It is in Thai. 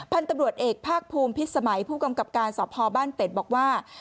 พันธุ์ตำรวจเอกภาคภูมิพิษสมัยผู้กำกับการสพบ้านเป็ดบอกว่า